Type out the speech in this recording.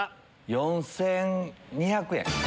４２００円。